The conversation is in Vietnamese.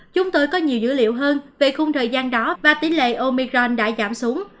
chúng tôi có nhiều dữ liệu hơn về khung thời gian đó và tỉ lệ omicron đã giảm xuống